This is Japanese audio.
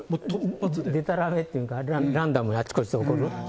でたらめっていうか、ランダムにあちこちで起こる。